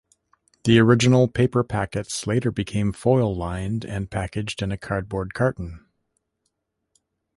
The original paper packets later became foil-lined and packaged in a cardboard carton.